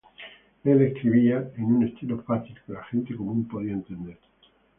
Él escribía en un estilo fácil que la gente común podía entender.